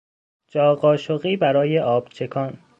جا قاشقی برای آب چکان